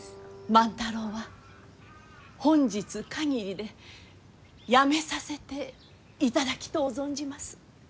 万太郎は本日限りでやめさせていただきとう存じます。